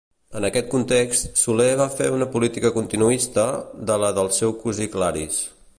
En aquest context, Soler va fer una política continuista de la del seu cosí Claris.